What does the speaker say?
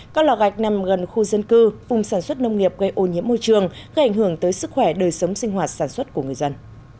các lò gạch nằm gần khu dân cư vùng sản xuất nông nghiệp gây ô nhiễm môi trường gây ảnh hưởng tới sức khỏe đời sống sinh hoạt sản xuất của người dân